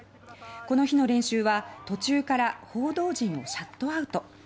この日の練習は途中から報道陣をシャットアウト。